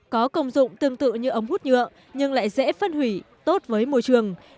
có công dụng tương tự như ống hút nhựa nhưng lại dễ phân hủy tốt với môi trường